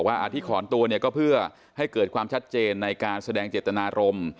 อาที่ถอนตัวเนี่ยก็เพื่อให้เกิดความชัดเจนในการแสดงเจตนารมณ์